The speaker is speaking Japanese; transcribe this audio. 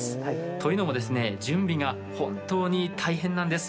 というのもですね準備が本当に大変なんです。